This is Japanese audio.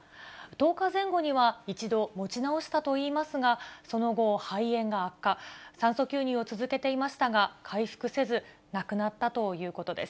１０日前後には一度、持ち直したといいますが、その後、肺炎が悪化、酸素吸入を続けていましたが、回復せず、亡くなったということです。